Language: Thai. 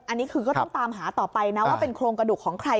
อันนี้คือก็ต้องตามหาต่อไปนะว่าเป็นโครงกระดูกของใคร